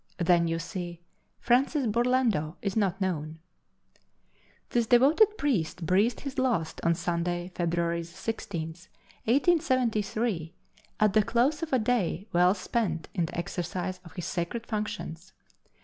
Then, you see, Francis Burlando is not known." This devoted priest breathed his last on Sunday, February 16, 1873, at the close of a day well spent in the exercise of his sacred functions.